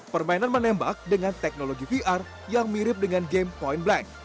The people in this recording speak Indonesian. permainan menembak dengan teknologi vr yang mirip dengan game point blank